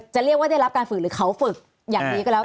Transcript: จะเรียกว่าได้รับการฝึกหรือเขาฝึกอย่างดีก็แล้ว